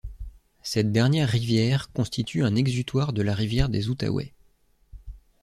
Cette dernière rivière constitue un exutoire de la rivière des Outaouais.